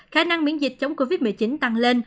khả năng miễn dịch chống covid một mươi chín tăng lên